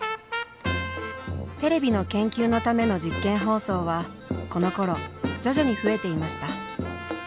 テレビの研究のための実験放送はこのころ徐々に増えていました。